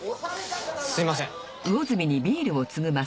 すみません。